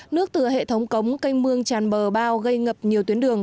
nước từ hệ thống cống canh mương tràn bờ bao gây ngập nhiều tuyến đường